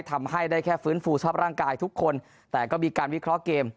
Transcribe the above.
ทำให้ได้แค่ฟื้นฟูสภาพร่างกายทุกคนแต่ก็มีการวิเคราะห์เกม